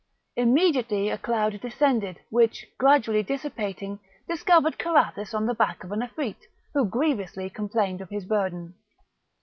Immediately a cloud descended, which gradually dissipating, discovered Carathis on the back of an Afrit, who grievously complained of his burden.